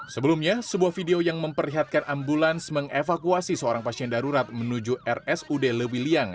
sebelumnya sebuah video yang memperlihatkan ambulans mengevakuasi seorang pasien darurat menuju rsud lewiliang